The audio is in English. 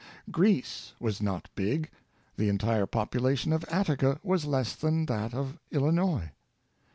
Greece was not big; the entire population of Attica was less than that of Illinois.